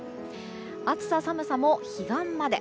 暑さ寒さも彼岸まで。